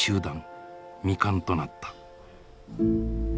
未完となった。